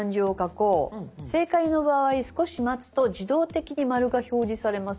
「正解の場合少し待つと自動的に○が表示されます」。